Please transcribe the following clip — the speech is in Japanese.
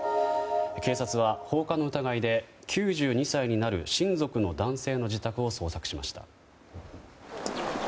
警察は、放火の疑いで９２歳になる親族の男性の自宅を捜索しました。